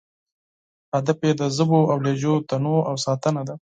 هدف یې د ژبو او لهجو تنوع او ساتنه ده.